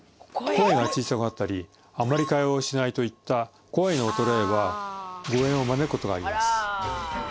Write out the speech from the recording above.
声が小さくなったりあまり会話をしないといった声の衰えは誤嚥を招くことがあります